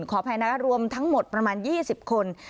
ขออภัยนะคะรวมทั้งหมดประมาณ๒๐คน